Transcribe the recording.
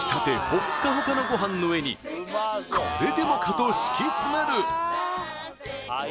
ほっかほかのご飯の上にこれでもかと敷きつめる！